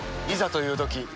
いざというとき